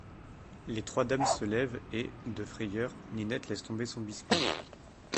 Les trois dames se lèvent et, de frayeur, Ninette laisse tomber son biscuit.